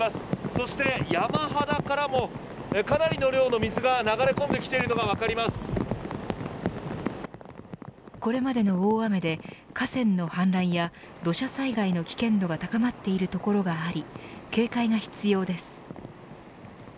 そして山肌からもかなりの量の水が流れ込んでこれまでの大雨で河川の氾濫や土砂災害の危険度が高まっている所があり警戒が必要です。